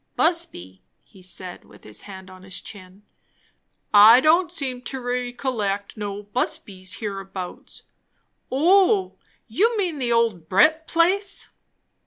"Busby?" he said with his hand on his chin "I don't seem to recollect no Busbys hereabouts. O, you mean the old Brett place?"